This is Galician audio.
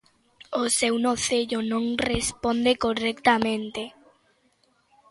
O seu nocello non responde correctamente.